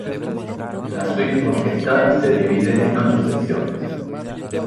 La suite orquestal se divide en ocho secciones.